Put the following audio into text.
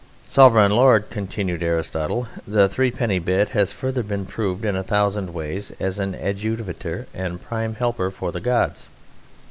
"Sovran Lord!" continued Aristotle, "the thruppenny bit has further been proved in a thousand ways an adjuvator and prime helper of the Gods.